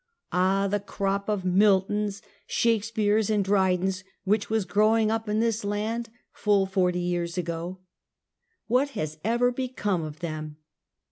Ah, the crop of Miltons, Shakespeares, and Dry dens which was growing up in this land, full forty years ago. What lias ever become of them?